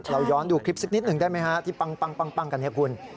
เราย้อนดูคลิปสิบนิดหนึ่งได้ไหมที่ปังกัน